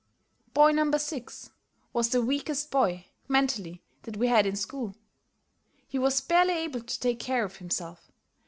Boy No. 6 was the weakest boy, mentally, that we had in school. He was barely able to take care of himself.